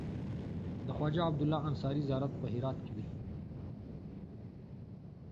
د خواجه عبدالله انصاري زيارت په هرات کی دی